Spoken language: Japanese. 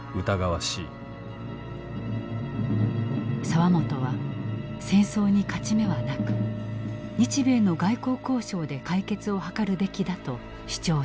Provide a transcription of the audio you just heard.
澤本は戦争に勝ち目はなく日米の外交交渉で解決を図るべきだと主張した。